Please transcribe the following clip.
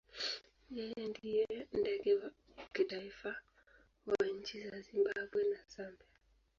Yeye ndiye ndege wa kitaifa wa nchi za Zimbabwe na Zambia.